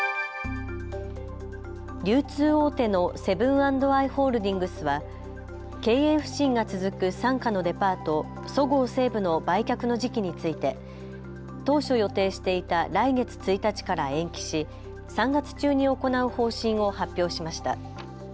流通大手大手のセブン＆アイ・ホールディングスは、経営不振が続く傘下のデパート、そごう・西武の売却の時期について当初予定していた来月１日から延期し３月中に行う方針を発表しました。